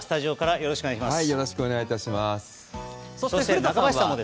よろしくお願いします。